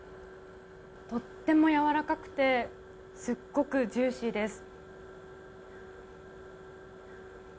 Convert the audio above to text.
とってもやわらかくてすごくジューシーです。